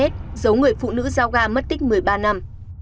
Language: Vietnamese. giống người phụ nữ giao gà mất tích một mươi ba năm